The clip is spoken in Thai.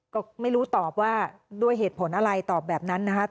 ก็ไม่รู้ตอบว่าด้วยเหตุผลอะไรตอบแบบนั้นนะครับ